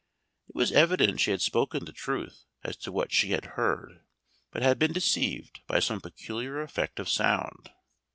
It was evident she had spoken the truth as to what she had heard, but had been deceived by some peculiar effect of sound.